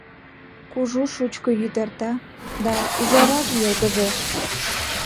Кужу шучко йӱд эрта, да Ӱжараже йылгыжеш.